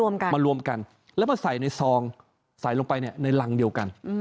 มารวมกันแล้วมาใส่ในซองใส่ลงไปเนี่ยในรังเดียวกัน